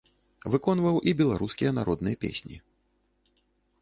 Выконваў і беларускія народныя песні.